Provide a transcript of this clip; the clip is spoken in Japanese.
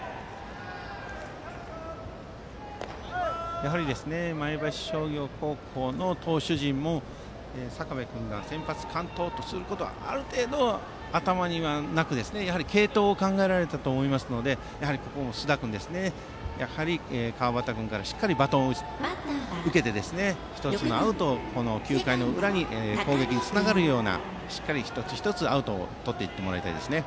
やはり前橋商業高校の投手陣も坂部君が先発完投することはある程度、頭にはなくやはり継投を考えられていたと思いますのでここも須田君が川端君からしっかりバトンを受けて１つのアウトを９回の裏の攻撃につながるようなしっかり一つ一つアウトをとっていってもらいたいですね。